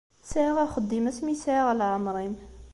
Sɛiɣ axeddim asmi sɛiɣ leɛmeṛ-im.